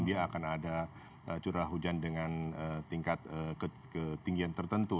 dia akan ada curah hujan dengan tingkat ketinggian tertentu